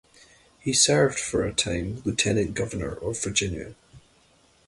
He served for a time Lieutenant Governor of Virginia.